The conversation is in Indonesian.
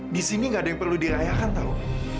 di sini nggak ada yang perlu dirayakan tahu